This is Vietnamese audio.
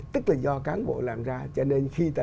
tức là do cán bộ làm ra cho nên khi ta